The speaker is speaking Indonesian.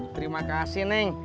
terima kasih neng